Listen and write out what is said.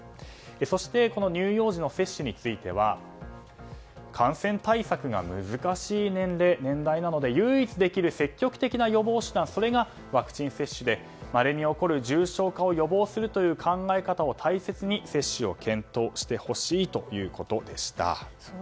そしてこの乳幼児の接種については感染対策が難しい年齢なので唯一できる積極的な予防手段がワクチン接種でまれに起こる重症化を予防するという考え方で接種を検討してほしいということでした。